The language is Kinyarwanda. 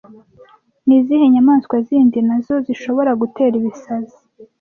Ni izihe nyamaswa zindi nazo zishobora gutera ibisazi